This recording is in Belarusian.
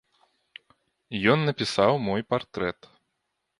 Ён напісаў мой партрэт.